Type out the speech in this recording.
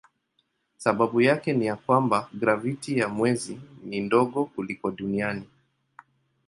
Sababu yake ni ya kwamba graviti ya mwezi ni ndogo kuliko duniani.